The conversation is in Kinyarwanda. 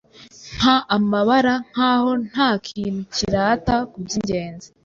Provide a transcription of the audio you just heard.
Nka amabara nkaho ntakintu cyirata kubyingenzi